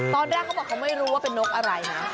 ตอนแรกเขาบอกว่าเขาไม่รู้ว่าเป็นนกอะไรนะ